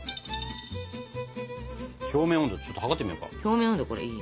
表面温度ちょっと測ってみようか。